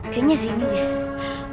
kayaknya sini deh